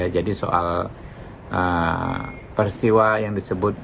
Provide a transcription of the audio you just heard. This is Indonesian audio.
jadi soal peristiwa yang disimpulkan